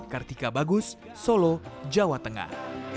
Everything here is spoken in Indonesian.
kartika bagus solo jawa tengah